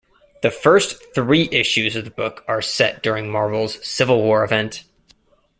The first three issues of the book are set during Marvel's "Civil War" event.